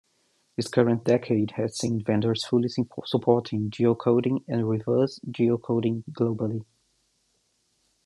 This current decade has seen vendors fully supporting geocoding and reverse geocoding globally.